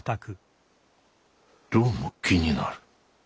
どうも気になる。